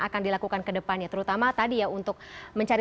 kemudian ketika memang ada undangan